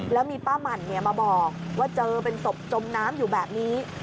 แล้วมีป้าหมั่นมาบอกว่าเจอเป็นศพจมน้ำอยู่แบบนี้